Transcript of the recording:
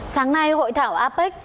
sáng nay hội thảo apec